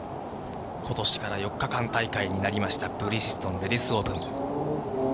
ことしから４日間大会になりました、ブリヂストンレディスオープン。